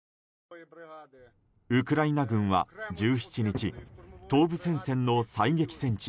ウクライナ軍は１７日東部戦線の最激戦地